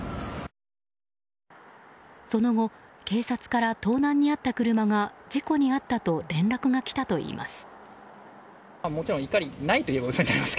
その後、警察から盗難に遭った車が事故に遭ったと連絡がきたといいます。